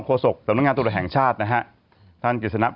โครโศกสำนวกงานตรวนแห่งชาตินะฮะ